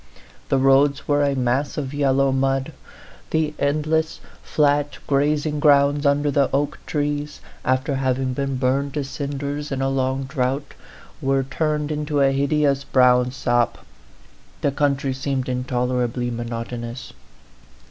The roads were a mass of yel low mud ; the endless, flat grazing grounds under the oak trees, after having been burned to cinders in a long drought, were turned into a hideous brown sop; the country seemed intolerably monotonous.